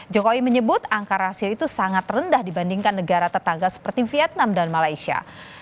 jokowi menyebut angka rasio itu sangat rendah dibandingkan negara tetangga seperti vietnam dan malaysia